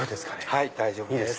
はい大丈夫です。